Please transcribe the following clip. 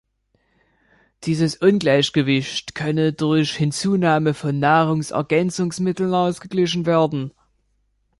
Dieses Ungleichgewicht könne durch Hinzunahme von Nahrungsergänzungsmitteln ausgeglichen werden.